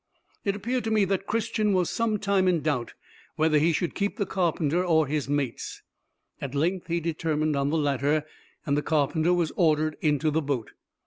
It appeared to me that Christian was some time in doubt whether he should keep the carpenter or his mates; at length he determined on the latter, and the carpenter was ordered into the boat.